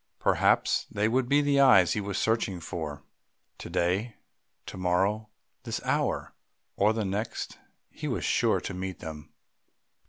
Perhaps they would be the eyes he was searching for. To day, to morrow, this hour, or the next he was sure to meet them.